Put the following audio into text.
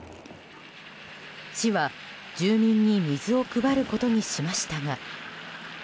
市は、住民に水を配ることにしましたが。